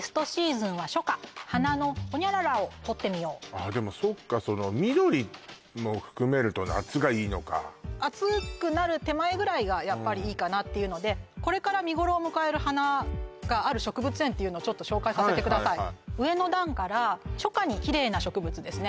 ああでもそっか緑も含めると夏がいいのか暑くなる手前ぐらいがやっぱりいいかなっていうのでこれから見頃を迎える花がある植物園っていうのをちょっと紹介させてください上の段から初夏にキレイな植物ですね